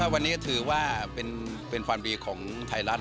วันนี้ถือว่าเป็นความดีของไทยรัฐ